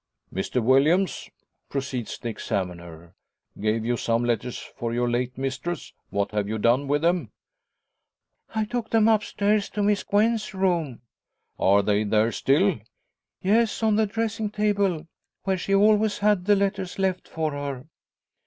"Mr Williams," proceeds the examiner, "gave you some letters for your late mistress. What have you done with them?" "I took them upstairs to Miss Gwen's room." "Are they there still?" "Yes; on the dressing table, where she always had the letters left for her."